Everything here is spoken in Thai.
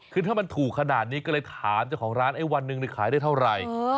คือถ้ามันถูกขนาดนี้ก็เลยถามเจ้าของร้านไอ้วันหนึ่งขายได้เท่าไหร่